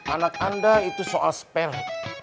anak anda itu soal spare